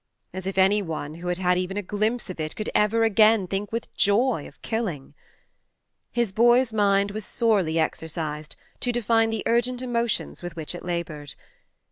As if any one who had had even a glimpse of it could ever again think with joy of killing ! His boy's mind was sorely exercised to define the urgent emotions with which it laboured.